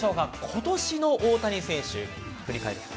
今年の大谷選手振り返って。